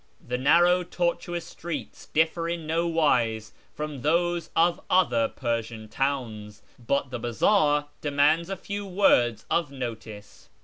The narrow, tortuous streets differ in no wise from those of other Persian towns, but the bazaar demands a few words of notice.